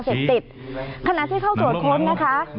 เช็บติดขณะที่เข้าจอดค้นนะคะ